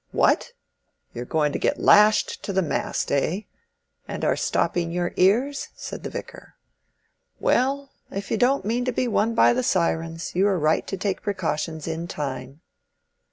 "What! you are going to get lashed to the mast, eh, and are stopping your ears?" said the Vicar. "Well, if you don't mean to be won by the sirens, you are right to take precautions in time."